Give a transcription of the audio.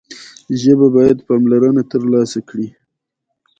ژبه باید پاملرنه ترلاسه کړي.